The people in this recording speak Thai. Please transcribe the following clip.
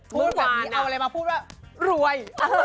พูดแบบนี้เอาอะไรมาพูดว่ารวย